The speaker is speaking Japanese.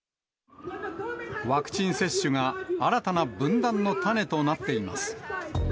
ワクチン接種が新たな分断の種となっています。